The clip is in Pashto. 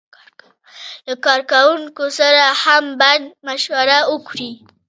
له کارکوونکو سره هم باید مشوره وکړي.